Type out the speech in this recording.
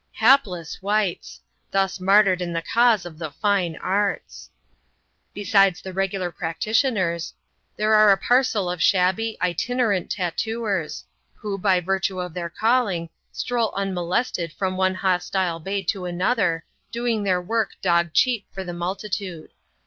Hapless wights! thus martyred in the cause of the Fine Arts. Besides the regular practitioners, ther are a parcel of shabby, itinerant tattooers, who, by virtue of their calling, stroll unmo lested from one hostile bay to another, doing their work dog cheap for the multitude.